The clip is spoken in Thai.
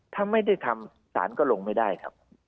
ถ้าไม่ได้ทำศาลก็ลงไม่ได้ครับ